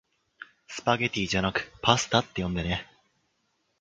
スパゲティじゃなくパスタって呼んでね